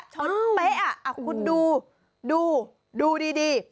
ชนไปคุณดูดูดูดี